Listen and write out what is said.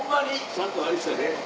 ちゃんとあれしたで。